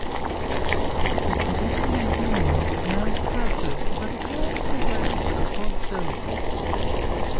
The Grand Union Canal passes about a kilometre west of both villages.